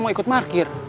mau ikut parkir